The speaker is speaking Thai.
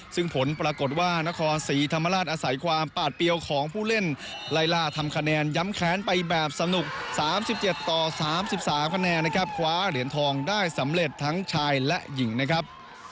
ซึ่งผลปรากฏว่านครศรีธรรมราชอาศัยความปาดเปรี้ยวของผู้เล่นไล่ล่าทำคะแนนย้ำแค้นไปแบบสนุก๓๗ต่อ๓๓คะแนนนะครับคว้าเหรียญทองได้สำเร็จทั้งชายและหญิงนะครับ